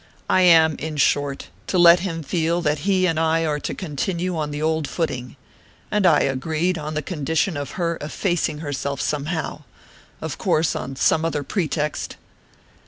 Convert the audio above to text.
I am, in short, to let him feel that he and I are to continue on the old footing and I agreed, on the condition of her effacing herself somehow of course on some other pretext."